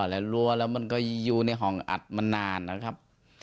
แล้วรั้วแล้วมันก็อยู่ในห้องอัดมานานนะครับ